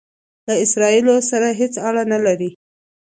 له اسراییلو سره هیڅ اړه نه لري.